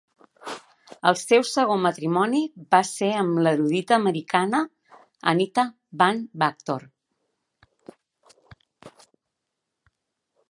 El seu segon matrimoni va ser amb l'erudita americana Anita Van Vactor.